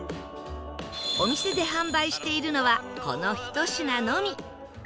お店で販売しているのはこのひと品のみ